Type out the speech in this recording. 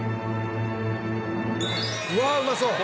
うわあうまそう！